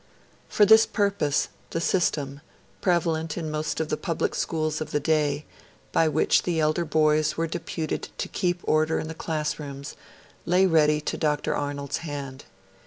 For this purpose, the system, prevalent in most of the public schools of the day, by which the elder boys were deputed to keep order in the class rooms, lay ready to Dr. Arnold's hand.